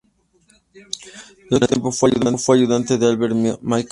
Durante mucho tiempo fue ayudante de Albert Michelson.